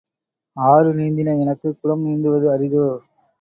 ஆறு நீந்தின எனக்குக் குளம் நீந்துவது அரிதோ?